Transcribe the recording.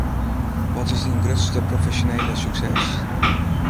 Wat is dyn grutste profesjonele sukses?